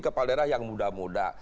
kepala daerah yang muda muda